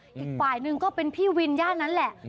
อีกฝ่ายหนึ่งก็เป็นพี่วินย่านนั้นแหละ